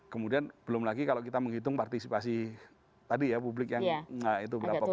kemudian belum lagi kalau kita menghitung partisipasi tadi ya publik yang itu berapa